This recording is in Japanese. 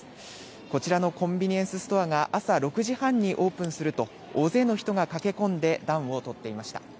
こちらのコンビニエンスストアが朝６時半にオープンすると大勢の人が駆け込んで暖を取っていました。